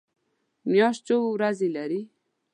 میاشت څو ورځې لري؟